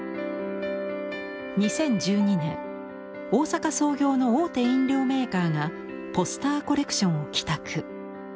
２０１２年大阪創業の大手飲料メーカーがポスターコレクションを寄託。